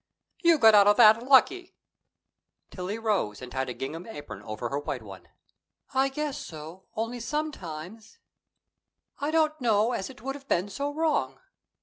"You got out of that lucky." Tillie rose and tied a gingham apron over her white one. "I guess so. Only sometimes " "I don't know as it would have been so wrong.